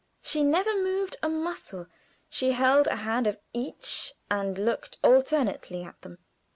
She never moved a muscle. She held a hand of each, and looked alternately at them.